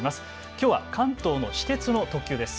きょうは関東の私鉄の特急です。